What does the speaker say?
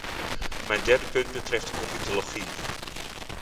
Mijn derde punt betreft de comitologie.